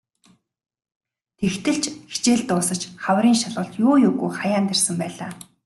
Тэгтэл ч хичээл дуусаж хаврын шалгалт юу юугүй хаяанд ирсэн байлаа.